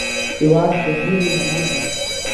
هیواد د هیلې لمنه ده